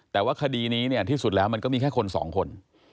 แต่ว่าคดีนี้เนี่ยที่สุดแล้วมันก็มีแค่คนสองคน